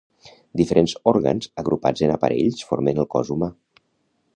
Diferents òrgans agrupats en aparells formen el cos humà.